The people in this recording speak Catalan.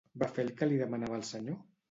Va fer el que li demanava el senyor?